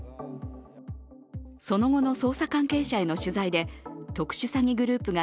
その後の捜査関係者への取材で、特殊詐欺グループが